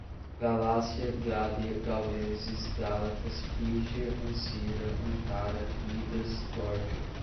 Galácia, Gália, gauleses, gálatas, frígia, Ancira, Ancara, Midas, Górdio